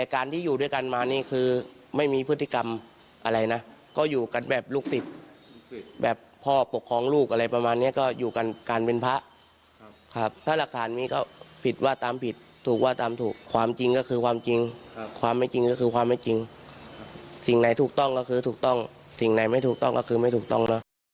คือถูกต้องสิ่งไหนไม่ถูกต้องก็คือไม่ถูกต้อง